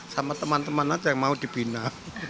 sama teman teman aja yang mau dibina